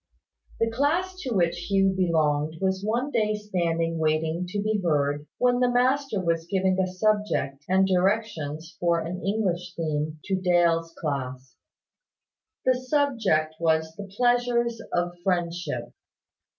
The class to which Hugh belonged was one day standing waiting to be heard, when the master was giving a subject and directions for an English theme to Dale's class. The subject was the Pleasures of Friendship.